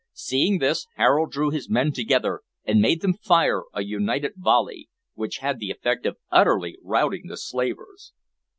Seeing this, Harold drew his men together and made them fire a united volley, which had the effect of utterly routing the slavers.